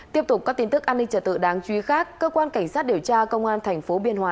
tiếp tục các tin tức an ninh trở tự đáng chú ý khác cơ quan cảnh sát điều tra công an tp biên hòa